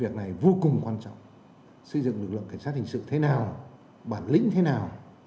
việc này vô cùng quan trọng xây dựng lực lượng cảnh sát hình sự thế nào bản lĩnh thế nào